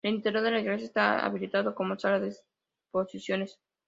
El interior de la iglesia está habilitado como sala de exposiciones.